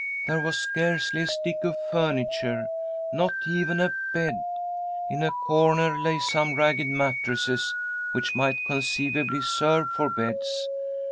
There was scarcely a stick of furniture, not even a bed. In a corner lay some ragged mattresses which _ might conceivably serve for beds.